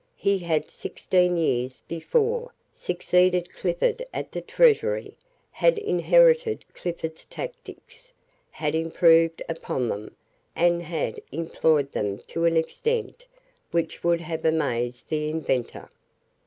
He had, sixteen years before, succeeded Clifford at the Treasury, had inherited Clifford's tactics, had improved upon them, and had employed them to an extent which would have amazed the inventor.